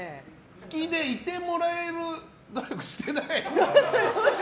好きでいてもらえる努力をしていない？